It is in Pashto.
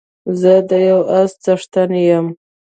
زه د يو اس څښتن يم